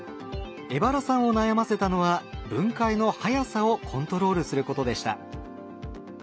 荏原さんを悩ませたのは分解のはやさをコントロールすることでした。